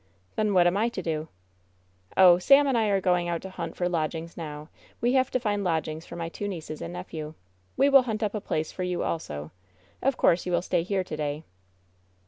"Then what am I to do ?" "Oh, Sam and I are going out to hunt for lodgings 18i8 WHEN SHADOWS DIE now. We have to find lodgings for my two nieces and nephew. We will hunt up a place for you also. Of course, you will stay here to day.